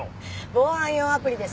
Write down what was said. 防犯用アプリです。